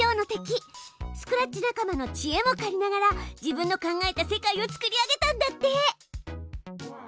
スクラッチ仲間のちえも借りながら自分の考えた世界を作り上げたんだって！